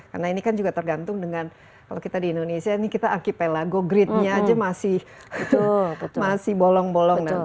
karena ini kan juga tergantung dengan kalau kita di indonesia ini kita archipelago gridnya aja masih bolong bolong